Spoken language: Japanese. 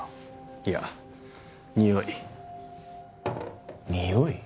いやにおいにおい？